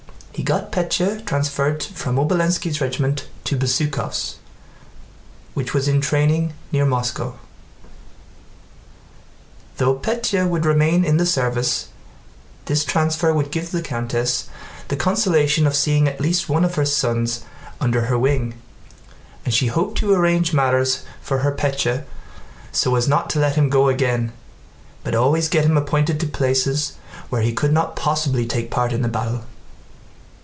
He got Pétya transferred from Obolénski's regiment to Bezúkhov's, which was in training near Moscow. Though Pétya would remain in the service, this transfer would give the countess the consolation of seeing at least one of her sons under her wing, and she hoped to arrange matters for her Pétya so as not to let him go again, but always get him appointed to places where he could not possibly take part in a battle.